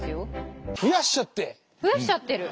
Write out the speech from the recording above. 増やしちゃってる。